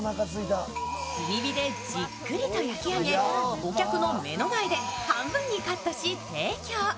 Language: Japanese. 炭火でじっくりと焼き上げお客の目の前で半分にカットし提供。